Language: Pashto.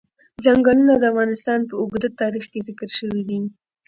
ځنګلونه د افغانستان په اوږده تاریخ کې ذکر شوی دی.